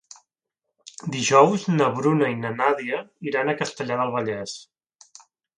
Dijous na Bruna i na Nàdia iran a Castellar del Vallès.